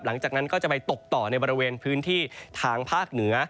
หลังจากนั้นก็จะไปตกต่อในบริเวณพื้นที่ทางภาคเหนือ